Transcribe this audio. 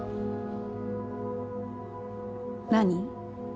何？